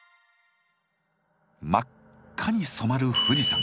真っ赤に染まる富士山。